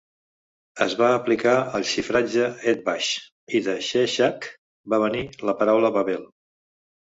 Es va aplicar el xifratge atbash, i de Sheshach va venir la paraula Babel.